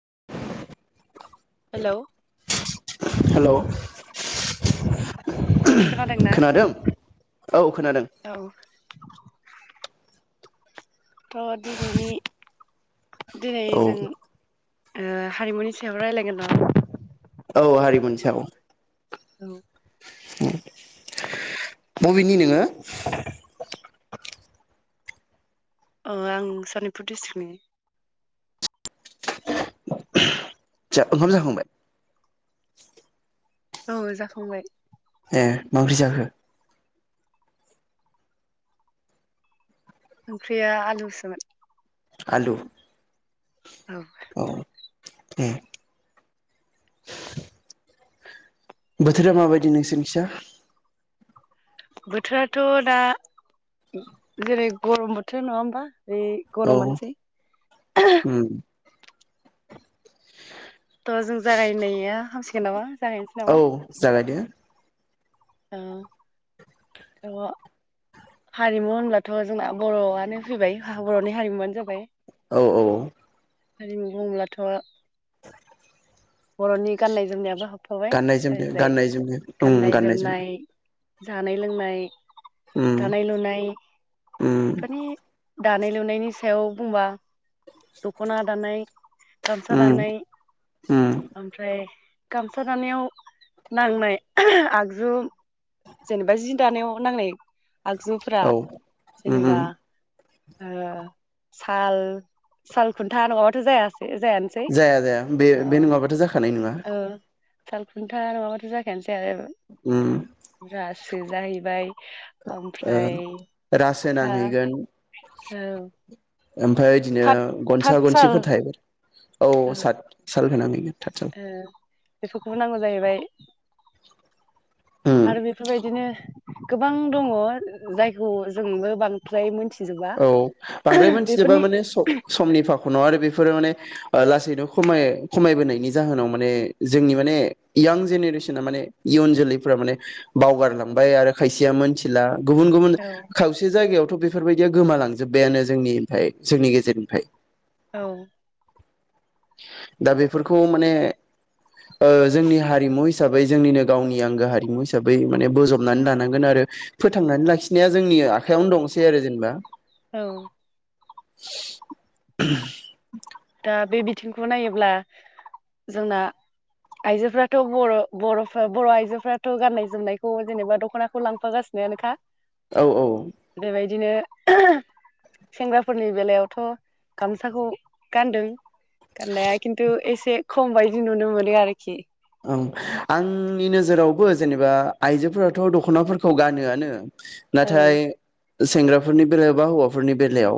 [inaudible] हेल। Hello औ खोनादों ना? औ खोनादों। [inaudible] थ दिनैनि दिनै औ जों। ओ हारिमुनि सायाव रायलायगोन रा औ हारिमुनि सायाव औ बबेनि नोङो आं सनितपुर डिस्ट्रिक्नि जा ओंखाम जाखांबाय औ जाखांबाय ए मा ओंख्रै जाखो ओंख्रिया आलुसोमोन आलु औ औ ए बोथोरा माबायदि नोंसोरनिखैजा बोथोराथ दा जेरै गरम बोथोर नङा होमबा बे औ गरम आनोसै उम थ जों जागायनाया हामसिगोन नामा जागायनोसै औ नामा जागायदो औ औव हारिमु होनब्लाथ जोंना बर'आनो फैबाय बर'नि हारिमुआनो जाबाय औ औ हारिमु बुंब्लाथ बरनि गाननाय जोमनायाबो हाब गाननाय जोमनो गाननाय जोमनो उम गाननाय जोमनाय जोमनो जानाय लोंनाय दानाय लुनाय उम फोरनि दानाय लुनायनि सायाव बुंबा दख'ना दानाय गामसा उम दानाय उम ओमफ्राय गामसा दानायाव नांनाय आगजु जेनेबा जि दानायाव नांनाय आगजुफ्रा औ उम उम जेनेबा ओ साल साल खुन्था नङाबाथ जाया जाया जाया बे बे नङाबाथ' जाखानाय नङा ओ साल खुन्था नङाबाथ' जाखायानोसै जाया उम जालाय ब्रा सो जाहैबाय ओ ओमफ्राय रासो फा नांहैगोन औ ओमफ्राय बिदिनो थाथ गनसा थाथसाल गनसिफोर थायो औ ओ सात साल होनानैनो ओ बेफोरखौबो नांगौ जाहैबाय आरो बेफोरबायदिनो गोबां दङ जायखौ जोंबो बांद्राय मोनथि औ बांद्राय मोनथिजोबा माने स-समनि फाखनाव आरो बेफोरो माने लास लासैनो खमाय खमायबोनायनि जाहोनाव माने जोंनि माने यां जेनेरेसना माने इयुन जोलैफ्रा माने बावगारलांबाय आरो खायसेया मोनथिला। गुबुन गुबुन औ खावसे जायगायाव थ' बेफोरबायदि दिया गोमालांजोब्बायानो जोंनि ओमफ्राय जोंनि गेजेरनिफ्राय। औ दा बेफोरखौ माने ओ जोंनि हारिमु हिस हिसाबै जोंनिनो गावनि आंगो हारिमु हिसाबै माने बजबनानै लानांगोन आरो फोथांनानै लाखिनाया जोंनि आखायावनो दंसै आरो जेनेबा। औ [inaudible] दा बे बिथिंखौ नायोब्ला जोंना आइजोफ्राथ' बर' बर'फ बर' आइजोफ्राथ' गाननाय जोमनायखौ जेनेबा दख'नाखौ लांफागासिनोआनोखा। औ औ बिदिनो सेंग्राफोरनि बेलायावथ' गामसाखौ गानदों गाननाया खिन्थु एसे खम बायदि नुनो मोनो आरोखि। ओ आंनि नोजोरावबो जेनेबा आइजोफोराथ' दख'नाफोरखौ गानोआनो औ नाथाय सेंग्राफोरनि बेलायाव बा हौवाफोरनि बेलायाव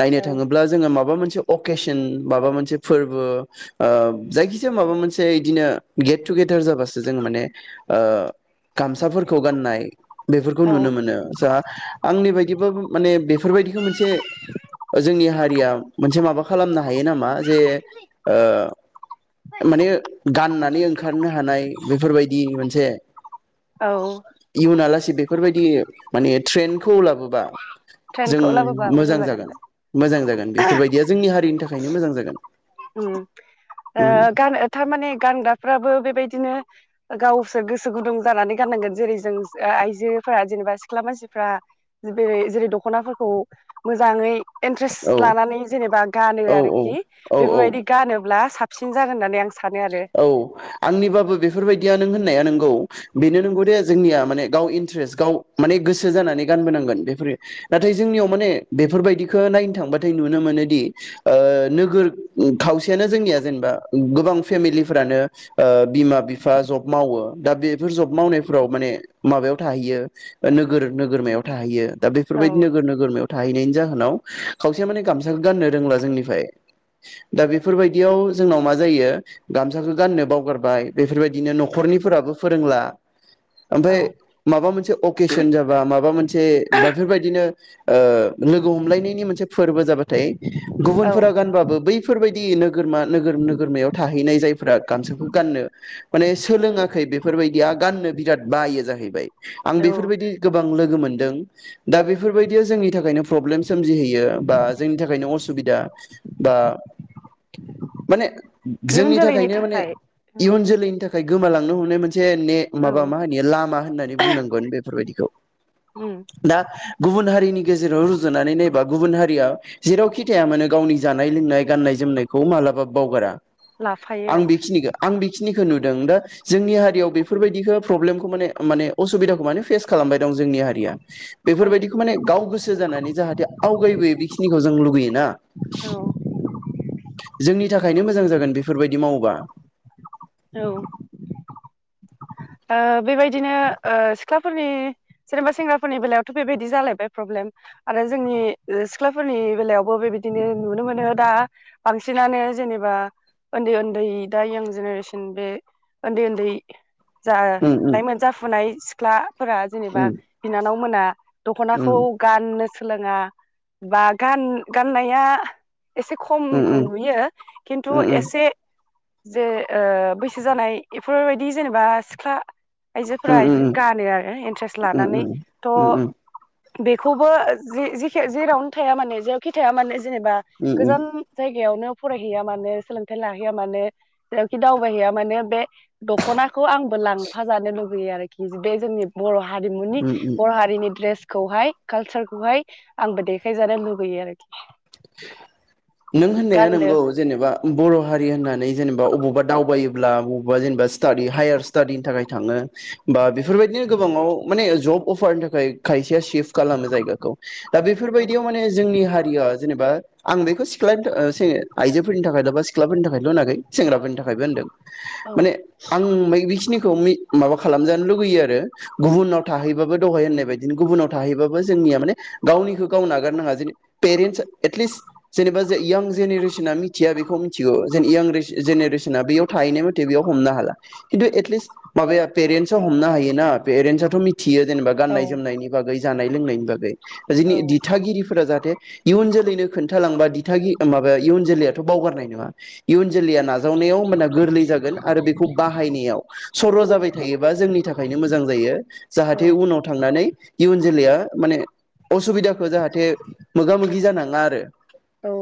नायनो औ थाङोब्ला जोङो माबा मोनसे अकेशन माबा मोनसे फोरबो ओ जायखिजाया माबा मोनसे इदिनो गेट टुगेदार जाबासो जों माने ओ गामसाफोरखौ गाननाय बेफोरखौ नुनो औ मोनो। स आंनि बायदिबाबो माने बेफोरबायदिखौ मोनसे जोंनि हारिया मोनसे माबा खालामनो हायो नामा जे ओ माने गानना ओंखारनो हानाय बेफोरबायदि मोनसे औ इयुनालासे बे बेफोरबायदि माने ट्रेन्डखौ लाबोबा जों मोजां जागोन मोजां जागोन बेफोरबायदिया जोंनि हारिनि थाखाय थाखायनो मोजां जागोन। उम ओ गान थारमाने गानगा फ्राबो बेबायदिनो गावसोर गोसो गुदुं जानानै गाननांगोन। जेरै जों आइजोफोरा जेनेबा सिख्ला मानसिफ्राेरै जे-जेरै दख'नाफोरखौ मोजाङै औ इन्ट्रेस्ट लानानै जेनेबा गानो औ आरोखि। औ औ बेफोरबायदि गानोब्ला साब सिन जागोन होननानै आं स औ आंनिबाबो बेफोरबायदिया नों होननाया नोंगौ बेनो नंगौ दे जोंनिया माने गाव इन्ट्रेस् गाव माने गोसो जानानै गानबोनांगोन बेफोरो नाथाय जोंनियाव माने बेफोरबायदिखौ नायनो थांबाथाय नुनो मोनोदि ओ नोगोर खावसेयानो जोंनिया जेनेबा गोबां फेमिलिफ्रानो बिमा बिफा जब मावो दा बेफोर जब मावनायफ्राव माने माबायाव थाहैयो नोगोर नोगोरमायाव थाहैयो दा औ बेफोरबायदि नोगोर नोगोरमायाव थाहैनायनि जाहोनाव खावसे माने गामसाखौ गाननो रोंला जोंनिफ्राय दा बेफोरबायदियाव जोंनाव मा जायो गामसाखो गाननो बावगारबाय बेफोरबायदिनो न'खरनिफोराबो फोरोंला ओमफ्राय माबा मोनसे अकेसन जाबा माबा मोनसे बाफोरबायदिनो ओ लोगो हमलायनायनि मोनसे फोरबो जाबाथाय औ गुबुनफोरा गानबाबो बैफोरबाय दि नोरमा नोगोर नोगोरमायाव थाहै नाय जायफोरा गामसखौ गाननो माने सोलोङाखै बेफोरबायदिया गाननो बिराद बायो जाहैबाय आं औ बेफोरबायदि गोबां लोगो मोनदों दा बेफोरबायदियाव जोंनि थाखायनो प्रब्लेम सोमजिहोयो बा जोंनि थाखायनो असुबिदा बा माने इयुन जोंनि जोलैनि थाखायनो माने थाखाय इयुन जोलैनि थाखाय गोमालांनो हनाय मोन से ने औ माबा मा होनो लामा होननानै बुंनांगोन बेफोरबायदिखौ दा गुबुन हारिनि गेजेराव रुजुनानै नायबा गुबुन हारिया जेरावखि थाया मानो गावनि जानाय लोंनाय गाननाय जोमनायखौ मालाबा बावगारा लाफायो आं बेखिनिखौ आं बेखिनि नुदों दा जोंनि हारियाव बेफोरबायदिखौ फ्रब्लेमखौ माने माने असुबिदाखौ मानो फेस खालामबाय दं जोंनि हारिया औ बेफोरबायदिखौ माने गाव गोसो जानानै जाहाथे आवगायबोयो बेखिनिखौ जों लुुगैयोना औ जोंनि थाखाय थाखायनो मोजां जागोन बेफोरबायदि मावोबा औ ओ बेबायदिनो ओ सिख्लाफोरनि जेनेबा सेंग्राफोरनि बेलायावथ' बेबायदि जालायबाय प्रब्लेम आरो जोंनि ओ सिख्लाफोरनि बेलायावबो बेबायदिनो नुनो मोनो दा बांसिनानो जेनेबा उन्दै उन्दै दा ययां जेनेरेसन उम बे ओन्दै ओन्दै जा उम उम लाइमोन जाफुनाय सिख्लाफोरा जेनेबा उम बिनानाव मोना उम दख'नाखौ गाननो सोलोङा बा गान गाननाया एसे नों खमखौ नुयो खिन्थु एसे जे ओ बैसो जानाय एफोरबायदि जेनेबा सिख्ला आइजोफोरा एदिखौ गानो आरो इन्ट्रेस्ट लानानै थ' बेखौबो जे जेखि जेरावनो थाया माने जेरावखि थाया माने जेनेबा गोजान जायगायावनो फरायहैया मानो सोलोंथाइ लाहैया मानो जेरावखि दावबायहैया माने बे दख'ना खौ आंबो लांफा जानो लु बैयो आरोखि बे जोंनि बर' हारिमुनि बर' हारिनि द्रेस खौहाय कालसारखौहाय आंबो देखायजानो लुुबैयो आरोखि। नों होननाया गाननो नंगौ जेनेबा बर' हारि होननानै जेनेबा अबावबा दावबायोब्ला बबावबा जेनेबा स्टाडि हायार स्टाडिनि थाखाय थाङो बा बेफोरबायदिनो गोबाङाव माने जब अफारनि थाखाय खायसेया सिफ खालामो जायगाखौ दा औ बेफोरबायदियाव माने जोंनि हारिया बा आं बेखौ सिख्लानि थाख ओ से आइजोफोरनि थाखायल' बा सिख्लाफोरनि थाखायल' होनाखै सेंग्राफोरनि थाखायबो होनदों। माने आं बाय बिखिनि खौ मि माबा खालामजानो लुुगैयो आरो गुबुनाव थाहैबाबो द'हाय होननाय बायदिनो गुबुनाव थाहैबाबो जोंनिया माने गावनिखौ गाव नागारनाङा जे पेरेन्टस एटलिस्ट जेनेबा जे इयां जेनेरेसना मिथिया बेखौ मिथिगौ जेन इयां जेनेरेसना बेयाव थाहैनाय म'थे बेयाव हमनो हाला खिन्थु एटलिस्ट माबाया पेरेन्टस आ हमनो हायो ना पेरेन्टसाथ' मि थियो जेनेबा औ गाननाय जोमनायनि बागै जानाय लोंनायनि बागै। जोंनि औ दिथागिरिफोरा जाहाथे इयुन जो लैनो खोनथालांबा दिथागि माबाया इयुन जोलैयाथ' बावगारनाय नङा इयुन जोलैया ना जावनायाव होनबाना गोरलै जागोन आरो बेखौ बाहायनायाव सर' जाबाय थायोबा जोंनि थाखायनो मोजां जायो। जाहाथे औ उनाव थांनानै इयुन जोलैया माने असुबिदाखो जाहाथे मोगा मोगि जाना ङा आरो औ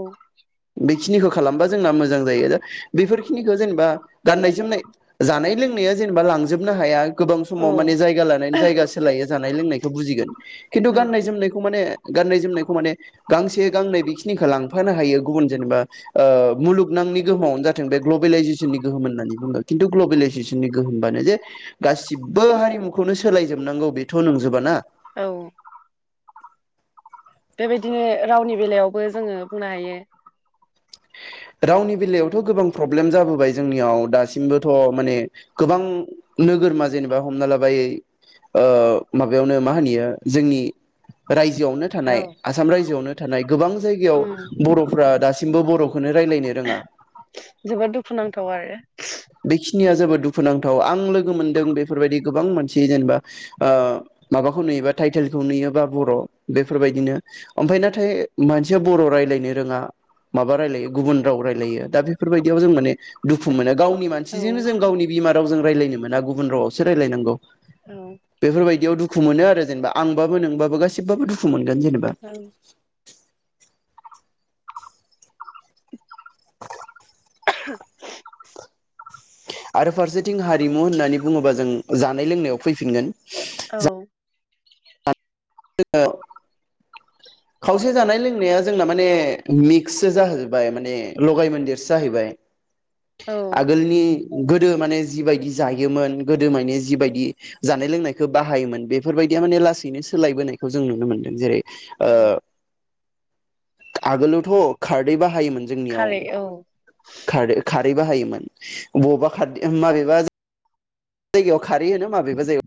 बेखिनिखौ खालामबा जोंना मोजां जायो। दा बेफोरखिनिखौ जेनेबा गाननाय जोमनाय जानाय लोंनाया जेनेबा लांजोबनो हाया। गोबां समाव माने औ जायगा लानाय जायगा सोलायो जानाय लोंनायखौ बुजिगोन। खिन्थु औ गाननाय जोमनायखौ माने गाननाय जोमनायखौ माने गांस से गांनै बेखिनिखौ लांफानो हायो गुबुन जेनेबा ओ मुलुगनांनि गोहोमावनो जाथों बे ग्लबेलाइजेसननि गोहोम होननानै बुङो खिन्थु ग्लबेलाइजेसननि गोहोमबानो जे गासिबो हारिमुखौनो सोलायजोबनांगौ बेथ' नंजोबा ना। औ बेबायदिनो रावनि बेलायावबो जोङो बुंनो हायो। रावनि बेलायावथ' गोबां प्रब्लेम जाबोबाय जोंनियाव दासिमबोथ' माने गोबां नोगोरमा जेनेबा हमना लाबाय ओ माबायावनो मा होनो इयो जोंनि रायजोआवनो औ थानाय आसाम औ रायजोआवनो थानाय गोबां जायगायाव उम बर'फ्रा दासिमबो बर' जोबोद दुखुनांथाव आरो बेखिनिया जोबोद दुखुनांथाव। आं लोगो मोनदों बेफोरबायदि गोबां मानसि जेनेबा ओ माबाखौ नुयोबा टाइटेलखौ नुयोबा बर' बेफोरबायदिनो। ओमफ्राय नाथाय मानसिया बर' रायलायनो रोङा माबा रायलायो गुबुन राव रायलायो दा बेफोरबायदियाव जों माने दुखु मोनो। गाव नि औ मानसिजोंनो जों गावनि बिमा रावजों रायलायनो मोना गुबुन रावावसो रायलायनांगौ। औ बेफोरबायदियाव दुख खु मोनो आरो जेनेबा आंबाबो नोंबाबो गासिब बाबो दुखु मोन गोन जेनेबा। [inaudible] [inaudible] आरो फारसेथिं हारिमु होननानै बुङोबा जों जानाय लोंनायाव फैफिनगोन। औ [unintelligible] खावसे जानाय लोंनाया जोंना माने मिक्ससो जाहोबाय माने लगाय मोनदेरसो जाहैबाय। औ आगोलनि गोदो माने जिबायदि जायोमोन गोदो माने जिबायदि जानाय लोंनायखो बाहायोमोन बेफोरबायदिया माने लासैनो सोलायबोनायखौ जों नुनो मोन्दों जेरै औ ओ आगोलावथ' खारदै बाहायोमोन जोंनियाव खारै औ खारो खारै बाहायोमोन। मोन बबबा खारदै माबेबा जाय जायगायाव खारै होनो माबेबा जाय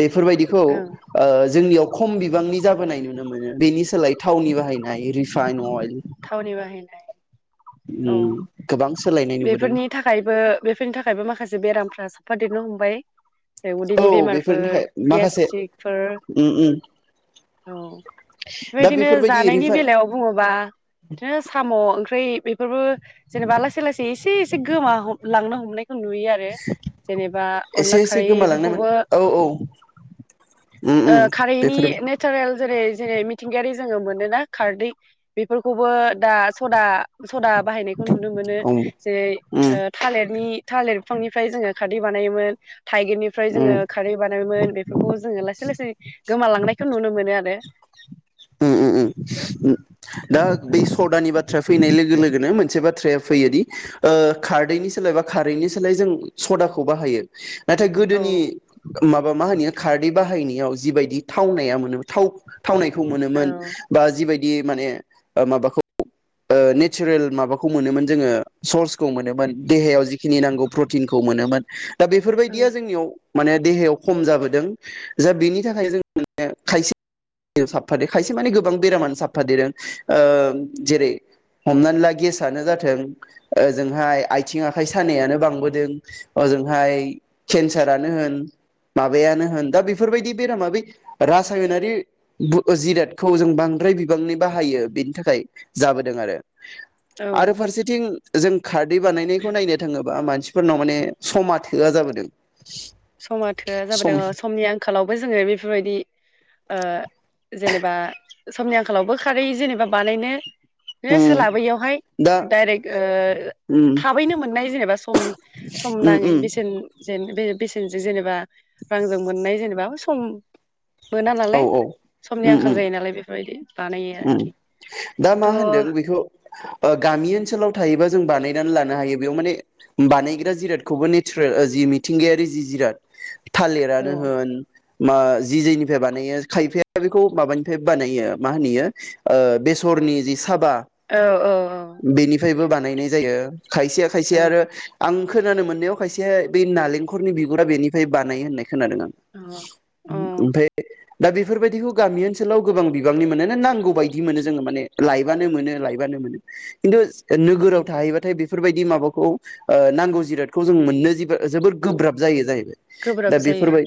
बे फोरबायदिखौ ओं ओ जोंनियाव खम बिबांनि जाबोनाय नुनो मोनो बेनि सोलाय थावनि बाहायनाय रिफाइन अइल थावनि बाहायनाय औ उम गोबां सोलायनाय नुबोदों बेफोरनि थाखायबो बेफोरनि थाखायबो माखासे बेराम साफा देरनो हमबाय बे उदैनि औ बेफोरनि बेमारफोर थाखाय माखासे गेस्ट्रिकफोर उम उम औ दा बेबायदिनो बेफोरबायदि जानायनि रिफाइ बेलायाव बुङोबा बिदिनो साम' ओंख्रै बेफोरबो जेनेबा लासै लासै एसे एसे गोमा लांनो हमनाय नुयो आरो जेनेबा अनला एसे एसे गोमालांनायमोन खारैफोरखौबो औ औ उम ओ उम खारैनि बेफोर नेचारेल जेरै जेरै मिथिंगायारि जोङो मोनोना खारदै बेफोरखौबो दा सदा सदा बाहायनाय खौ नुनो मोनो औ उम जेरै ओ उम थालिरनि थालिर फिफांनिफ्राय जोङो खारदै बानायोमोन थाइगिरनिफ्राय उम जोङो खारै बानायोमोन बेफोरखौ जो ला सै लासै गोमालांनायखौ नुनो मोनो आरो उम उम दा थ' बै सदानि बाथ्राया फैनाय लोगो लोगोनो मोन नसे बाथ्राया फैयोदि ओ खारदैनि सोलाय बा खारैनि सोलाय जों सदाखौ बाहायो नाथाय औ गोदोनि माबा मा होनो इयो खारदै बाहायनायाव जिबायदि थावनाया मोनो थाव खौ मोनोन औ बा जिबाय बिदि माने माबाखौ ओ नेचारेल माबाखौ मोनोमोन जोङो सर्सखौ मोनोमोन देहायाव जिखिनि नांगौ प्रतिनखौ मोनोमोन दा औ बेफोरबायदिया जोंनियाव माने देहायाव खम जाबोदों जा बेनि थाखाय जों माने खायसे साबफादे खायसे माने गोबां बेरामानो साबफादेरो ओ जेरै हमनानै ला गेसनो जाथों ओजोंहाय आथिं आखाय सानायानो बांबोदों ओजोंहाय केन्सारानो होन माबायानो होन दा बेफोरबायदि बेरामा बे रासायनारि बु जिरादखौ जों बांद्राय बिबांनि बाहायो बेनि थाखाय जाबोदों आरो औ आरो फारसेथिं जों खारदै बानायनायखौ नायनो थाङोबा मानसिफोरनाव माने समा थोआ जाबोदों समा थोआ सम जाबोदों ओ समनि आंखालावबो जोङो बेफोरबायदि ओ जेनेबा समनि आंखालावबो खारै जेनेबा बानायनो उम सोलाबैयावहाय दा डाइरेक्ट ओ उम थाबैनो मोननाय जेनेबा सम सम उम नाङै उम बेसेन जेन बे बेसेनजों जेनेबा रांजों मोननाय जेनेबा सम मोना औ नालाय औ समनि उम आंखाल उम जायो नालाय बेफोरबायदि बानायो उम आरोखि दा थ' मा औ होनदों बेखौ ओ गामि ओनसोलाव थायोबा जों बनानै लानो हायो बेयाव माने बानायग्रा जिरादखौबो नेचारेल जि मिथिंगायारि जि-जि-जिराद औ थालिरानो होन मा जि जेनिफ्राय बानायो खायफाया बेखौ माबानिफाय बानायो मा होनो इयो ओ बेसरनि जि साबा औ बेनिफ्रायबो बानायनाय जायो खायसे खायसे औ आरो आं खोनानो मोननायाव खायसे बै नालेंखरनि बिगुरा बेनिफ्राय बानायो होननाय खोनादों आं औ औ ओ-ओमफाय दा बेफोरबायदिखौ गामि ओनसोलाव गोबां बिबांनि मोनो ना नां गौ बायदि मोनो जोङो माने लायब्लानो मोनो लायबानो मोनो खिन्थु नोगोराव थाहैबाथाय बेफोरबायदि माबाखौ ओ नांगौ जिरादखौ मोननो जिबा जोबोद गोब्राब जायो जायो गोब्राब दा जायो बेफोरबाय